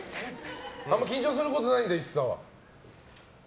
あんま緊張することないんだ一颯は。